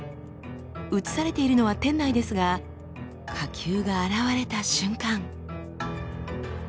映されているのは店内ですが火球が現れた瞬間。